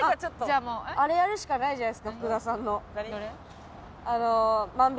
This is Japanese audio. じゃあもうあれやるしかないじゃないですか福田さんの。